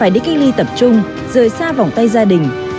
để cách ly tập trung rời xa vòng tay gia đình